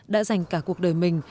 đã dành cả cuộc đời mình